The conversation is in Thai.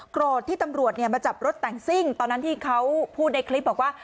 โกรธที่ตำรวจมาจับรถแต่งซิ่งตอนนั้นที่เขาพูดในคลิปบอกว่า